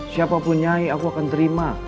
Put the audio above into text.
siapapun nyai aku akan terima